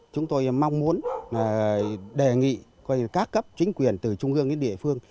chúng tôi mong muốn đề nghị các cấp chính quyền từ trung ương đến địa phương